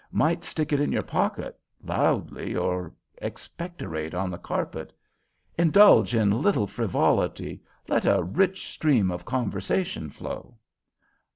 Might stick it in your pocket, loudly, or expectorate on the carpet. Indulge in little frivolity. Let a rich stream of conversation flow.